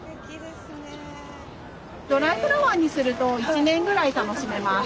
ドライフラワーにすると１年ぐらい楽しめます。